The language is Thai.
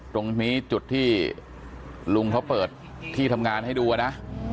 ตรงนี้จุดที่ลุงเขาเปิดที่ทำงานให้ดูนะ